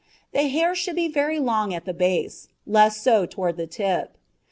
The hair should be very long at the base, less so toward the tip.